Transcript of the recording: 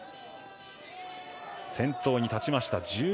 先頭に立ちました。